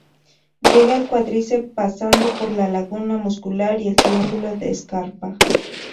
Llega al cuádriceps pasando por la laguna muscular y el triángulo de scarpa.